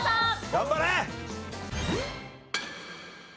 頑張れ！